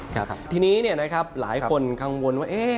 ครับทีนี้นะครับหลายคนกังวลว่า